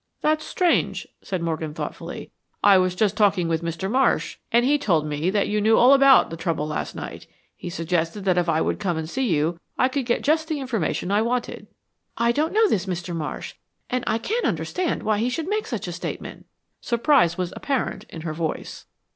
"That's strange," said Morgan, thoughtfully. "I was just talking with Mr. Marsh, and he told me that you knew all about the trouble last night. He suggested that if I would come and see you I could get just the information I wanted." "I don't know this Mr. Marsh, and I can't understand why he should make such a statement." Surprise was apparent in her voice.